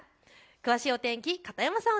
詳しいお天気、片山さん